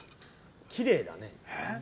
きれいだね。